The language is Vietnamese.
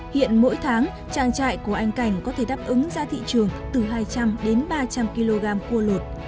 hiện mỗi tháng trang trại của anh cảnh có thể đáp ứng ra thị trường từ hai trăm linh đến ba trăm linh kg cua lột